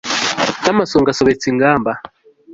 n'amasonga asobetse ingamba